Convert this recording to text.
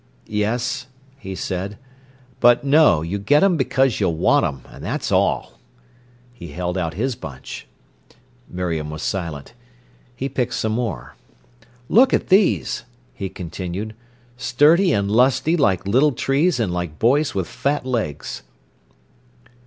"Yes," he said. "But no, you get 'em because you want 'em, and that's all." He held out his bunch. Miriam was silent. He picked some more. "Look at these!" he continued; "sturdy and lusty like little trees and like boys with fat legs."